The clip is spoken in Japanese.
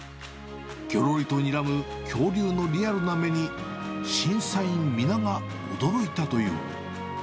ぎょろりとにらむ恐竜のリアルな目に、審査員皆が驚いたという。